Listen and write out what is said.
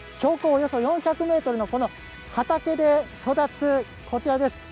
およそ４００ｍのこの畑に育つ、こちらです。